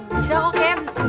bisa kok kem